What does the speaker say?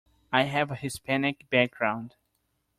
I have a Hispanic background